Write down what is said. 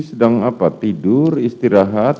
sedang apa tidur istirahat